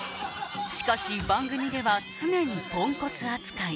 しかし番組では常にポンコツ扱い